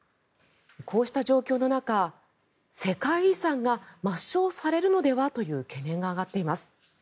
こうした状況の中、世界遺産が抹消されるのではという懸念が上がっています。